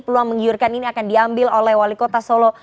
peluang menggiurkan ini akan diambil oleh wali kota solo